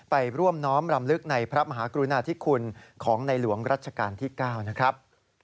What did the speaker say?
ไปร่วมน้อมรำลึกในพระมหากรุณาธิคุณของในหลวงรัชกาลที่๙นะครับ